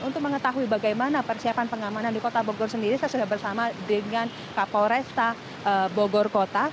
untuk mengetahui bagaimana persiapan pengamanan di kota bogor sendiri saya sudah bersama dengan kapolresta bogor kota